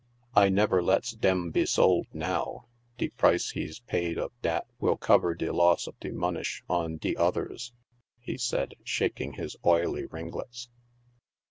" I never lets dem be sold now ; de price he'3 paid of dat will cover de loss of de monish on de others," he said, shaking his oily ringlets.